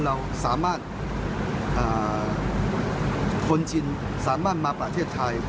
เราสามารถคนชินสามารถมาประเทศไทย